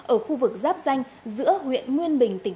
ở khu vực tỉnh cao bằng